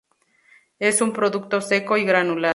Es un producto seco y granular.